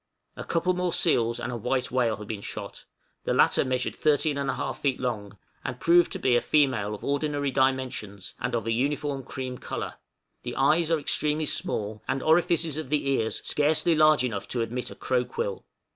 A couple more seals and a white whale have been shot; the latter measured 13 1/2 feet long, and proved to be a female of ordinary dimensions, and of an uniform cream color; the eyes are extremely small, and orifices of the ears scarcely large enough to admit a crow quill.